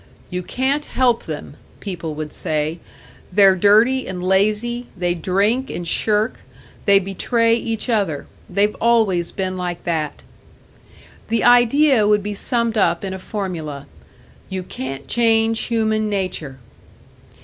"You can't help them," people would say. "They're dirty and lazy, they drink and shirk, they betray each other. They've always been like that." The idea would be summed up in a formula: "You can't change human nature!"